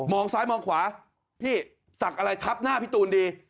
ซ้ายมองขวาพี่สักอะไรทับหน้าพี่ตูนดี